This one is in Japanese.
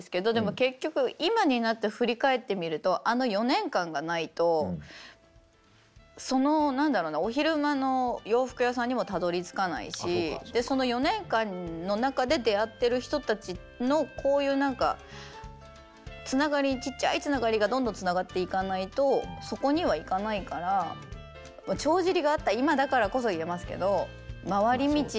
結局今になって振り返ってみるとあの４年間がないとその何だろうなお昼間の洋服屋さんにもたどりつかないしその４年間の中で出会ってる人たちのこういう何かちっちゃいつながりがどんどんつながっていかないとそこには行かないから帳尻が合った今だからこそ言えますけど回り道って必要なんだなって思いました。